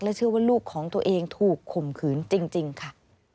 เชื่อว่าลูกของตัวเองถูกข่มขืนจริงค่ะ